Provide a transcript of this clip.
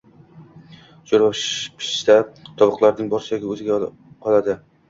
Sho‘rva pishsa, tovuqlarning bor suyagi o‘zingga qoladi